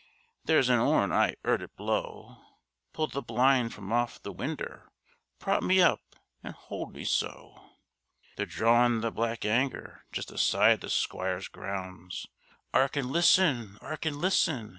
There's an 'orn! I 'eard it blow; Pull the blind from off the winder! Prop me up, and 'old me so. They're drawin' the black 'anger, just aside the Squire's grounds. 'Ark and listen! 'Ark and listen!